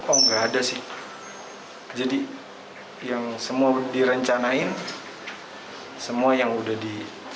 oh enggak ada sih jadi yang semua direncanain semua yang udah di